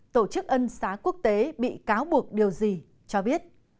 tổ chức ân xá quốc tế bị cáo buộc điều gì